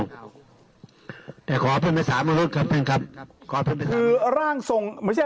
นี่ภาษาของต่างดาว